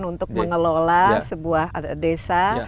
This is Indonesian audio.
untuk mengelola sebuah desa